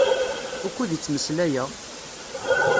Wukud i ttmeslayeɣ?